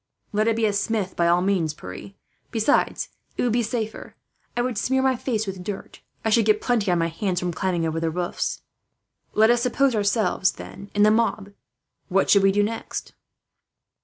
"Let it be a smith, by all means, Pierre. Besides, it would be safer. I would smear my face with dirt. I should get plenty on my hands from climbing over the roofs. "Let us suppose ourselves, then, in the mob. What should we do next?"